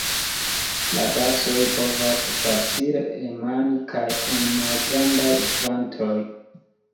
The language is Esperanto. La gasoj povas facile emani kaj en malgrandaj kvantoj.